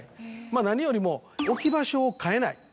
まぁ何よりも置き場所を変えない。